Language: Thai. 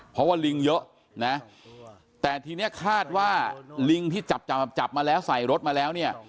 เพราะว่าลิงเยอะนะแต่ทีนี้คาดว่าลิงที่จับจับมาแล้วใส่รถมาแล้วเนี่ย